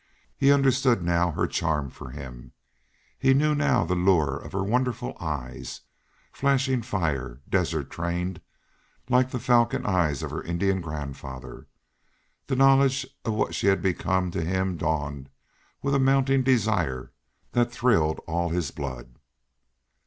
He understood now her charm for him; he knew now the lure of her wonderful eyes, flashing fire, desert trained, like the falcon eyes of her Indian grandfather. The knowledge of what she had become to him dawned with a mounting desire that thrilled all his blood.